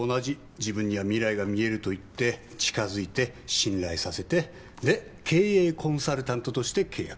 自分には未来が見えると言って近づいて信頼させてで経営コンサルタントとして契約。